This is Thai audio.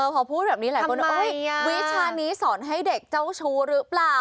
พอพูดแบบนี้หลายคนวิชานี้สอนให้เด็กเจ้าชู้หรือเปล่า